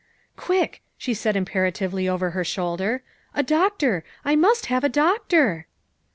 " Quick," she said imperatively over her shoulder, '' a doctor ; I must have a doctor.